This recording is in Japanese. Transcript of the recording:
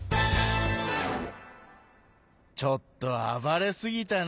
ちょっとあばれすぎたなあ。